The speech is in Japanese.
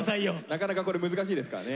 なかなかこれ難しいですからね。